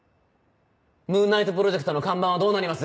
ムーンナイトプロジェクトの看板はどうなります。